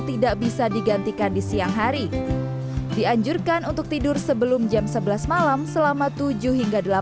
tidak bisa digantikan di siang hari dianjurkan untuk tidur sebelum jam sebelas malam selama tujuh hingga